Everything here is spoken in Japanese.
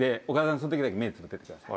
その時だけ目つぶっててください。